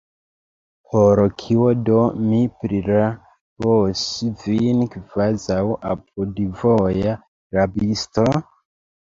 Por kio do mi prirabos vin, kvazaŭ apudvoja rabisto?